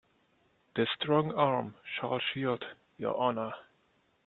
This strong arm shall shield your honor.